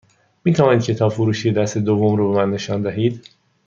می توانید کتاب فروشی دست دوم رو به من نشان دهید؟